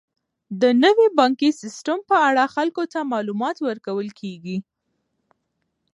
د نوي بانکي سیستم په اړه خلکو ته معلومات ورکول کیږي.